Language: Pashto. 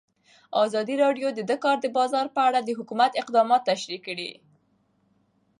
ازادي راډیو د د کار بازار په اړه د حکومت اقدامات تشریح کړي.